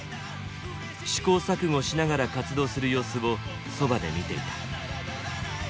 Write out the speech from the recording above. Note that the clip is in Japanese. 試行錯誤しながら活動する様子をそばで見ていた。